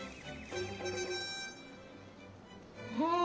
うん！